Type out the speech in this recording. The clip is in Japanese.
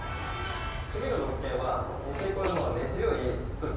次の物件は。